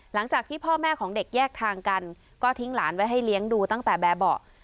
หลังจากที่พ่อแม่ของเด็กแยกทางกันก็ทิ้งหลานไว้ให้เลี้ยงดูตั้งแต่แบบเบาะ